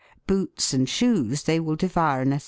Boots and shoes they will devour in a.